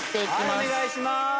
はいお願いします。